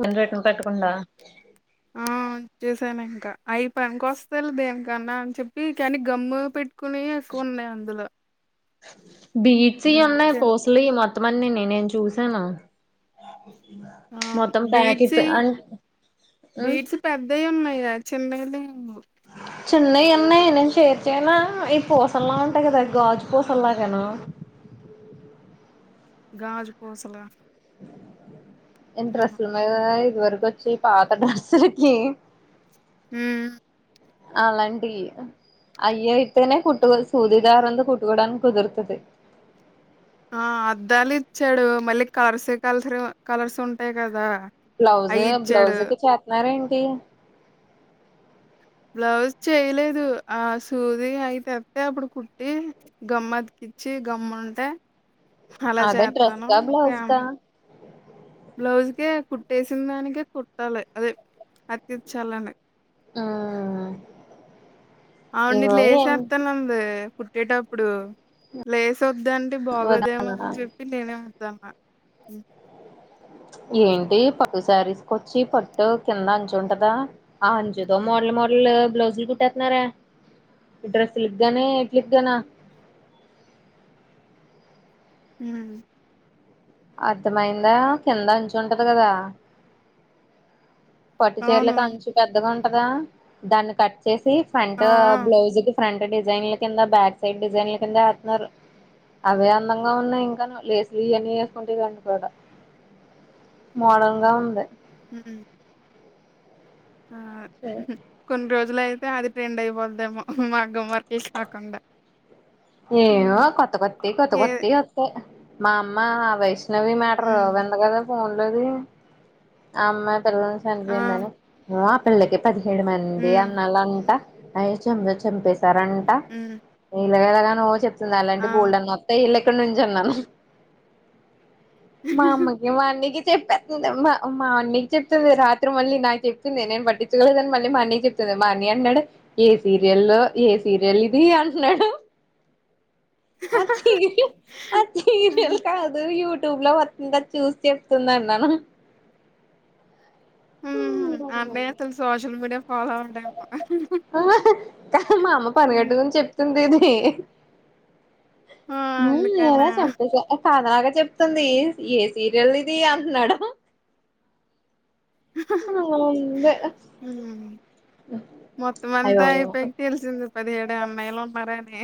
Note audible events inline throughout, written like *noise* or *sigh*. మ రేటుని పెట్టుకుండా ఆ చేసాను ఇంకా అయిపోనుక వస్తలే దేనికన్నా అని చెప్పి కానీ గమ్ము పెట్ కుని ఎక్కువ ఉన్నాయి అందులో అ బీచ్ ఉమ్, అన్న చే- పోస్లీ మ కొత్తమన్ని నేను చూసాను ఆ మొత్తం ప్యాకెట్స్ బీట్స్ అ ఉమ్ బీట్స్ పెద్దవి ఉన్నాయి చెన్న చిన్నవి ఉన్నయి నేను చేర్చయినా ఈ పూసల్లా ఉంటాయి కదా గాజు పూసలలాగానా గాజ పోసలా ఎంటస్లు మ ఇదివరక వచ్చి ఈ పాత డెస్కి హ అలాంటి అయ్య ఇతేనే కుట్ సూదిదారుంత కూట్కోూడానికి కుదురుతుది ఆ అద్దాలు ఇచ్చాడు మళ్ళీ కలర్స్ కల్స కలర్స్ ఉంటాయి కదా బ్లౌజ్ అయి ఇచ్చాడు బ్లౌజు కి చేతున్నారడి కే బ్లౌజ్ చేయలేదు ఆ సూది అయితేత్స్తతే అప్పుడు కుట్టి గమ్మ అతికిచ్చి గమ్ము ఉంటే అలా అదే డ్రెస్ చేత్తాను బ్లౌజ తేమ బ్లౌజ్కే కుట్టేసిన దానికే కుట్టాలి అదే అత్య చాలం ఆ అవును ఇల్లు వసేస్తానుంది కుుట్టేటప్పుడు లే్లస్ చూద్దాండి బాగోదేమో అని వద్దన్నాను చెప్పి నేనే మా ఏంటి పట్టు శారీస్కి వచ్చి పట్టు కింద అంచు ఉంటదా, ఆ అంచుతో మోడల్ మోడల్ బ్లౌజులు కుుట్టేస్తున్నారె, ఈ డ్రెస్సు గానీ ఎట్కి నా మ్ అర్థమయిందా కింద అంచ ఉంటది కదా పట్టు చీరల అవును కనుషు పెద్దగా ఉం కదా దన్ని కట్ వచ్చేసి ఫ్రంట్ ఆ ఆ బ్లౌజ్ కి ఫ్రంట్ ఇ డిజైన్ల కింద బ్యాక్ సైడ్ డిజైన్ల కింద వతున్నారు, అవే అందంగా ఉన్నాయి ఇంకా లేస్లు ఇవన్న వేసుకుంటి కూడా మోడర్న్ గా ఉంది మ్ ఆ కొన్ని రోజు అయితే అది ట్రెండ్ అయిపోతదేమ మగ్గం వర్క్ ఏ హ్మ్. కొథ కొతి కొత ఏ కొతి కొత్త వస్తాయి మా అమ్మా ఆవస్ నవీ మ్యాటర్ హ్మ్ ఎంద కదా పోన్లేది ఆమ లను ఆ చనిపోయిందిఅని పళ్లగ పదిహేడు మంది హ్మ్ అన్నాల అంటా అ చె చంపే సరంట హ్మ్ ఇలాగా *unintelligible* ఆ నలండి బోల్డ్ అని వస్తాయి వి ఇక్కడ నుంచి అన్నాను మామగ మాకి పెతుదమ్మా మా అన్నకి చెప్తుంది, రాత్రి మళ్ళీ నాకు చెప్తుంది నేను పట్టించకోలేదని మళ్ళీ మా అన్నకి చెప్తుంది మా అన్నయ అన్నాడు ఏ సీరియలో ఏ సీరియల్ ఇది అంటున్నాడు ఆ సీరియల్ ఆ సీరియల్ కాదు యూ టూబ్ లో వచ్చంద చూసి చెప్తున్నా నను హ్మ్. అన్నయ్య అసలు సోషల్ మీడియా ఫాలో అవడేమో మా అమ్మ హ్మ్. పనిగట్టుకుని చెప్తుంది ఇది ఆ ఏ హ ఎద అందుకనా చపేస అదాగా చెప్తుంది ఏ సీరియల్ ఇది అంటున్నాడు మ్ మొత్తం అయ్యో అంతా అయిపోయికి తెలిసింది పదిహేడు అన్నయ్యలు ఉన్నారాని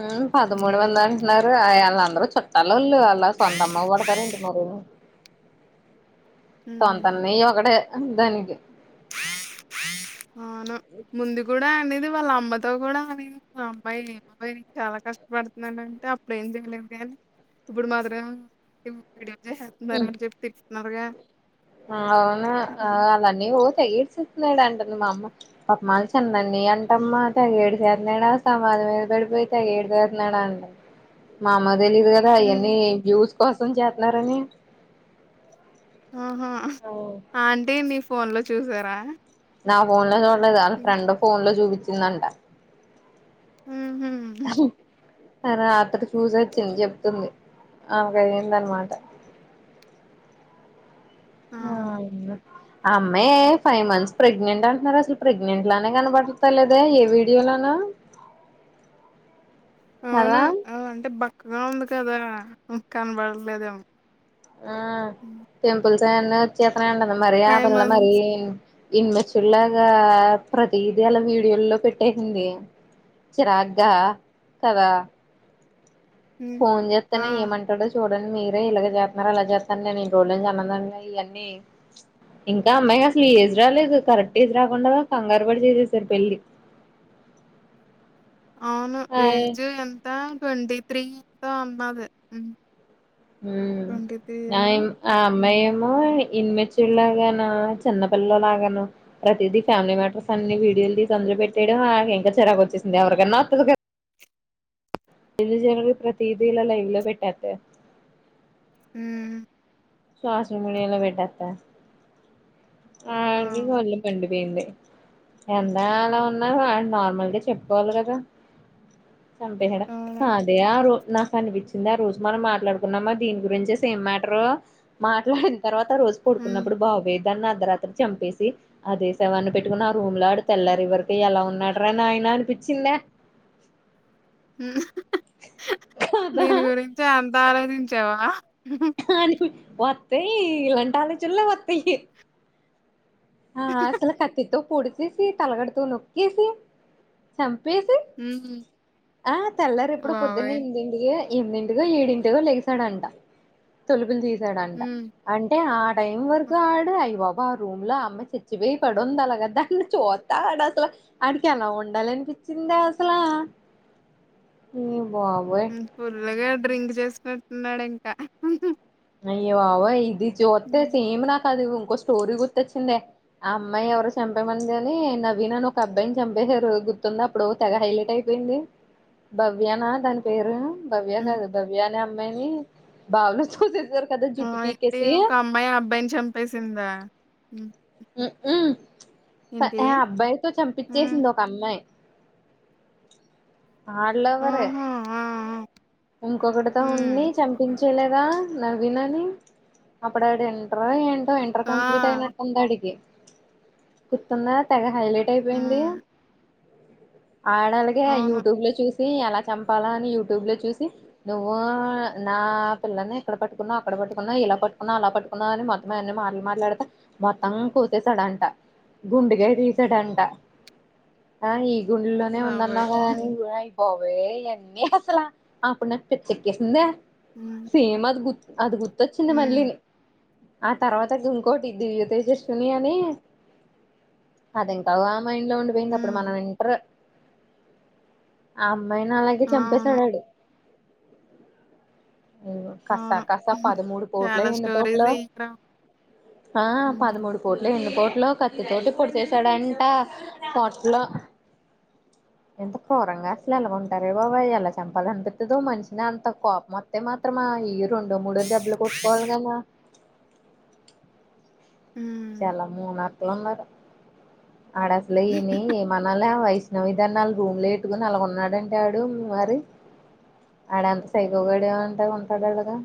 ఆ పదమూడు మంది అంటున్నారు అ అందరూ చెప్తా ళ్లు ఆ ళ్ల సొంత అమ్మ కోడతారంటి మరేోను సొంత అన్నయ్య ఒక్కడే దానికీ అవును ముందు కూడా దా అండి ఇది వాళ్ళ అమ్మతో కూడా అది ఆ అమ్మాయి *inaudible* చాలా కష్టపడుతుంది అంటే అప్పుడ ఏం చేయలేదు కాని ఇప్పుడు మాత్రం జేసెత్తున్నారని చెప్తే గా అవును అ అన్ని ఓతయి చెప్పలేదు అంటుంది మా అమ్మ పాపం వాళ్ళు చెన్నై నీ అంటమ్మా అంటే ఎడి నాడా సమాధి మీద పడిపోయి తెగ ఏడచెతున్నాడండి అండి మామ తెలిదు కదా అవన్నీ జూసి కోసం చేస్తున్నారని ఆహా అంటే మీ ఫోన్ లో చూసారా నా ఫోన్ లో ఫ్రెండ్ ఫోన్ లో చూపిం చిందంట ఉహు అ అతడు చూసొచ్చింది చెప్తుంది ఆ జరిగిందన్నమాట అమ్మాయి ఫైవ్ మంత్స్ ప్రెగ్నెంట్ అంటున్నారు అసలు ప్రెగ్నెంట్ లానే కనపడతా లేదే ఏ వీడియోలోను అవును ఆ అంటే బక్ క్కగా ఉంది కదా కనపడట్లేదోమో ఆ టెంపుల్స్ సను చెప్ అంటానా మరీ ఆ ఫైవ్ పిల్ల మరి మంత్స్ ఇన్ మ్యా్చ్చర్ లాగా ప్రతిదీ అలా వీడియోల్లో పెట్టేసింది చిరాగ్గా కదా హ్మ్. ఫోన్ ఆ! చేస్తనే ఏమంటడో చూడాల మీరే ఇలాగ చేస్తున్నారు అలా చేస్తను నేను చూడలేక అన్నాన్నివన్నీ ఇంకా అమ్మాయికి అసలు ఏజ్ రాలేదు కరెక్ట్ ఏజ్ రాకుండా కంగారు పడి చేసెసారు పెళ్ళి అవును ఏజ్ ఎంత ట్వంటీ త్రి ఎంతో అన్నాది ఉ న ఆ అమ్మయి హ్మ్. ఏమో ఇన్మెెచ్చూర్ లాగాన చిన్నపిల్లలాగా ప్రతిదీ ఫ్యామిలీ మ్యాటర్స్ అన్ని వీడియోలు తీసి అందులో పెట్టేయడం ఇంకా చెరాకు వచ్చేసింది ఎవరికైన్నా వస్తుంది కదా ఎందు జనకి ప్రతీతిల లైవ్ లో పెట్టాత హ శ్వాస విమిడిలా భేట ఆ కొల్ం పం పేంది ఎంత అలా ఉన్నారు నార్మల్గా చెప్పుకోవాలి కదా చంపేహేడా అవును. కా అదే ఆరు నాకు అనిపించింది ఆ రోజు మనం మాట్లాడుకున్నామా దీని గురించే సేమ్ మ్యాటర్ మాట్లా తర్వాత రోజు హ్మ్. పడుకున్నప్పుడు బావేదు క అర్ధరాత్రి చంపేసి అదే శవాన్ని పెట్టుకుని ఆ రూమ్ లో ఆడి తెల్లారు ఎవరిక ఎలా ఉన్నాడ అని ఆయన అనిపించిందా కదా దీని గురించి అంతా ఆలోచించావా అని వత్తాయి ఇలాంటి ఆలోచనలే వత్తాయి ఆ సలు కతితు పొడిచేసి తలగడుత నొక్కేసి చం పేసి హ్మ్. ఆ తెల్లారు ఎప్పుడు బాబోయ్! పొద్దున్నందిడిక ఎనిమిదింటిగో ఏడింటిగో లగసాడంట తొలుబలు తీసు డంట హ్మ్. అంటే ఆ టైం వరకు ఆడు అయ బాబా ఆ రూమ్ లో అమ్మ చచ్చిపోయి పడుంది అలాగా దాన్ని చూస్తా ఆడు అసలు ఆడికి ఎలా ఉండాలనిపించిందిా అసలా బాబోయ్ ఫులగా డ్రింక్ చేసుకుట్టున్నాడు ఇంకా అయ్యో వావా ఇది జ్యోతే సిమనా అది ఇంకో స్టోరీ గుర్తొచ్చిందిే ఆ అమ్మాయి ఎవరు చంపమని కాని నవీన అని ఒక అబ్బాయిని చంపేశారు గుర్తుంది అప్పుడు తెగ హైలైట్ అయిపోయింది భవ్యనా దాని పేరు బవ్య హ్మ్. కాదు దవ్యానే మ భావన సూచే ఆ అయితే ఒక అమ్మాయి అబ్బాయిని చంపేసిందా ఏంటి? అబ్బాయితో హ్మ్. చంపించేసింది ఒక అమ్మాయి అయి ఆళవర ఓహో! ఆ! ఆ! ఇంకొకటితో ఉండి హ్మ్. చంపించేలేదా నవీనని అప్పుడు ఆడ ఎంట్రా ఏంటి ఎంటర్ కంప్లీట్ ఆ! అయిన అంద అడిగి కుత్తన్న తెగా హైలైట్ అయిపోయింది హ్మ్. ఆడలాగే అవును. యూట్యూబ్ లో చూసి ఎలా చంపాలా అని యూట్యూబ్ లో చూ నువ్వు నా పిల్లల్ని ఎక్కడ పట్టుకున్నావవు అక్కడ పట్టుకున్నావవు ఇలా పట్టుకున్నావు అలా పట్టుకున్నావ అని మొత్తం అవన్ని మాట్లు మాట్లాడితా మొత్తం కోసేశాడంట గుండుగాయ తీసాడంట గుండెల్లోనే ఉందన్నా బాబోయ్! కదని గు పోవే ఎన్ని హసలా ఆప్పుడున్న పెచ్చక్కేసిందే హ్మ్. సేమది గు అది గు తొచ్చింది హ్మ్. మళ్ళీను ఆ తర్వాతకి ఇంకోటి దివ్యతేజస్విని అని అది ఇంకా మైండ్లో ఉండిపోయింది అప్పుడు హ్మ్. మనం ఇంటర్ ఆ అమ్మాయిని అలాగే అవును. చంపేశాడు ఆడు కసా అవును. కసా పదమూడు పోట్లో చాలా స్టోరీస్ ఎన్నిపోట్లో ఇక్కడ. ఆ హ్మ్. పదమూడు పోట్లో ఎన్నీపో లో కత్తితోటి పొడిసేసాడంట పొట్లో కత్తితో మనుషిన అంత కోపమొత్తే మాత్రమా ఇ రెండో మూడో దెబ్బలు కొట్టుకోవాలి గన హ్మ్. లు న్నారు ఆడసలే ఇని మనల్నే వయి కృష్ణవిధానాళ రూమ్ లో ఎట్టుకుని అలాగ ఉన్నాడంటే ఆడు మరి ఆడంత సైకోగడంట ఉంటాడు అడగా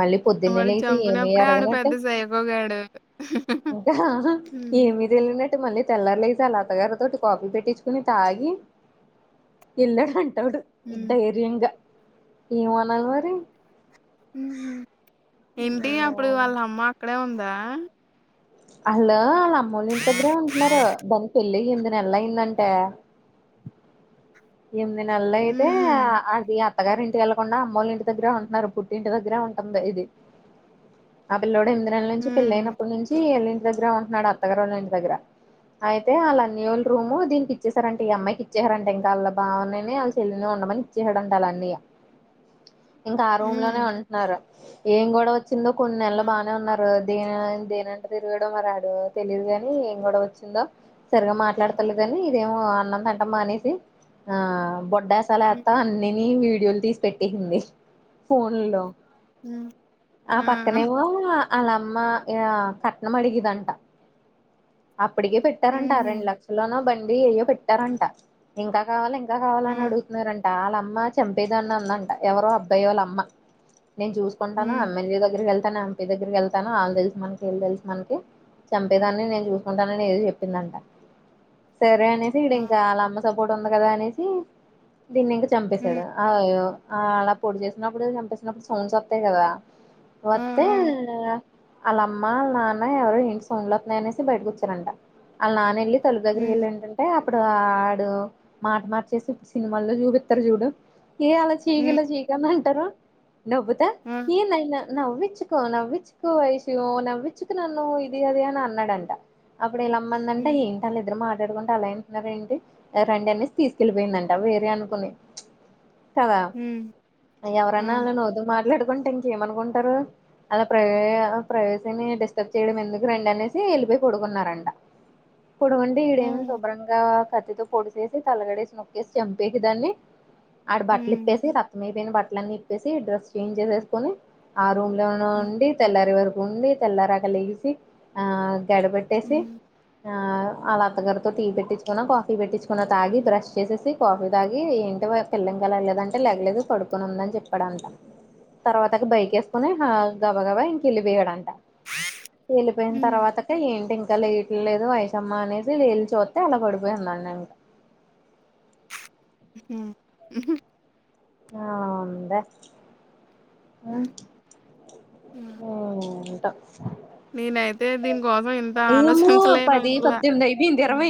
మళ్ళీ పొద్దున్నే వాడిని లేసి ఏమి చంపినప్పుడే ఆడు ఎరగనట్టు పెద్ద సైకోగాడు. ఇంకా హ్మ్. ఏమీ దెలిన త మళ్ళీ తెల్లార్లేసి ఆళ్లత్తగారితోటి కాఫీ పెట్టించుకుని తాగి వెళ్లాడ తోడు హ్మ్. దైర్యంగా ఏమనాలి మరి హ్మ్ ఏమిటి అప్పుడు వాళ్ళ అమ్మ అక్కడే ఉం దా అల్లో అలా మల్లింటిదగ్గరే ఉంటున్నారు *unintelligible* పెళ్లయ్ ఎనిమిది నెల్లయిందంట ఎనిమిది నెలలు అయితే హుహు. అది అ అత్తగారి ఇంటికి వెళ్లకుండా అమ్మోల్ల ఇంటి దగ్గరే ఉంటున్నారు పుట్టి ఇంటి దగ్గరే ఉంటుంది ఇది ఆ పిల్లో ఎనిమి నుంచి హ్మ్. పెళ్ళయినప్పుడు నుంచి వీల్లి దగ్గర ఉంటున్నాడు అత్తగారోళ్ల ఇంటి దగ్గర అయితే వాళ్ళ అన్నయోళ్ళు రూము దీనికి ఇచ్చేశారంట ఈ అమ్మాయికి ఇచ్చేశారంట ఇంకాళ్ళ బావునునే వాళ్ళ చెల్లినే ఉండమని ఇచ్చసాడంట ఆల్ల అన్నయ్య ఇంకా ఆ రూమ్ హ్మ్. లోనే ఉంటున్నారు ఏం గొడవ చింద కొన్ని నెల్లు ఆ! బానే ఉన్నారు దే దేనంట తిరిగాడో మరి ఆడు తెలియదు గాని ఏం గొడవ వచ్చిందో సరిగా మాట్లాడతలేదని ఇదేమో అన్నంతింటం మానేసి ఆ పోట్ అడసాల హ్మ్. అత్త అన్ని ఎం మ్ వీడియోలు తీసి పెట్టేసింది ఫోన్ లో హ్మ్. ఆ పక్కనే వో అలా అమ్మ ఇక కట్నం మడిగదంట అప్పటికే పెట్టారంట ఆ హుహు. రెండు లక్షలలోనో బండి డి అయ్యో పెట్టారంట ఇంకా కావాలిం ఎ ఆ! కావాలని అడుతున్నారంట వాళ్ళమ్మ చంపేదాన్ని అందంట ఎవరో అబ్బాయి వాళ్ళమ్మ నేను చూకుంటాను హ్మ్. ఎమ్మెలే దగ్గర వెళ్ తన అంపీ దగ్గరికి వెళ్తాను వాళ్ళ తెలిసు మనకి ఇళ్ళు తెలుసు మనకి చంపేదాన్ని నేను చూసుకుంటానని ఏది చెప్పిందంట సరే అనేసి ఇడ ఆ! ఇంకాాల అమ్మ సపోర్ట్ ఉంది కదా అనేసి దీన్ని ఇంకా చంపేశాడు హ్మ్. అయ్యో ఆ అలా పొడి చేసినప్పుడు చంపేసినప్పుడు సౌండ్స్ వస్తాయి కదా ఆ! వత్తే ఆ! వాళ్ అమ్మ వాళ్ నాన్న ఎవరు ఇంటి సోన్లు వతున్నాయనేసి బయటకు వచ్చారంట వాళ్ నాన్న వెళ్ళి తలు దగర హ్మ్. వెళ్ళ ఏంటే ఇప్పుడు ఆ ఇడు మాట మార్చేసి ఇప్పుడు సినిమాల్లో చూపిస్తారు చూడు ఏ ఆలో హ్మ్. చికిలోక చికన్న తరు నవ్వుత ఆ! ఏనైనా నవ్విచ్చుకో నవ్విచ్చుకో వైష్య నవ్వింవిచ్చుకు నన్ను ఇది అద అని అన్నాడంట ఇప్పు ఇ అమ్ంద అంట హ్మ్. ఏంటి అ ఇరు మా అదేంటి రం అనేసి తీసుకెళ్ళిపోయిందంట వేరే అనుకుని కదా హ్మ్. ఎవరన్నా అవును అలా నవ్వుతు మాట్లాడి ంటే ఇంకేమనుకుంటారు అలా ప్ర ప్రవేసినీ డిస్టర్బ్ చేయడం ఎందుకు రండి అనేసి వెళ్ళిపోయి పడుకున్నారంట పడుకుంటే ఈడేం హ్మ్. శుభ్రంగా కత్తితో పొడిసేసి తలగడేసి నొక్కేసి చంపేసి దాన్ని ఆడి హ్మ్. బట్టిలీప్పేసి రక్తం మీది బాట్ ట్లన్ని ఇప్పేసి డ్రస్ చేంజ్ చేసేసుకొని ఆ రూమ్ లోనో హ్మ్. ఉండి తెల్లారే వరకు ఉండి తెల్లరక లేసి ఆ ఎడబట్టేసి హ్మ్. ఆ అలా అత్తగారితో టీ పెట్టించుకుని కాఫీ పెట్టించు కొన తాగి బ్రష్ చేసేసి కాఫీ తాగి ఏంటి పిళ్ళ ఇంకా లేగలేదా అంటే లేగలేదు పడుకుని ఉందని చెప్పాడంట తర్వాత బైక్ వేసుకుని గబ గబా ఇంక వెళ్ళిపోయాడు అంట వెళ్లిిపోయిన హ్మ్. తర్వాతకి ఏంటి ఇంకా కా లేగటం లేదు వైషమ్మ అనేసి వెళ్లి చుతే అలా పడిపోయి ఉందంట హుమ్ ఉహూ ఏం ఉందే హ్మ్. ఉ ఊ త నేనైతే దీనికోసం ఇంత ఏమో ఆలోచించలేను పది అందువల్ల పద్దెనిమిది అయిపోయింది ఇరవై